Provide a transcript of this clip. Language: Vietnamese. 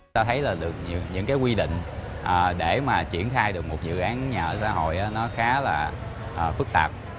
ta thấy là được những cái quy định để mà triển khai được một dự án nhà ở xã hội nó khá là phức tạp